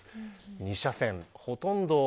２車線、ほとんど。